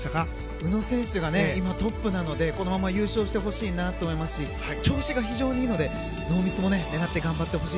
宇野選手が今、トップなのでこのまま優勝してほしいなと思いますし調子が非常にいいのでノーミスも狙って頑張ってほしい。